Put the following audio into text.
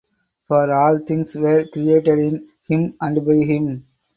For all things were created in Him and by Him.